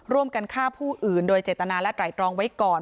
ร่วมกันฆ่าผู้อื่นโดยเจตนาและไตรตรองไว้ก่อน